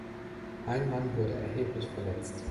Ein Mann wurde erheblich verletzt.